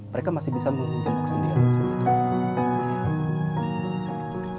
mereka masih bisa meminjam buku sendiri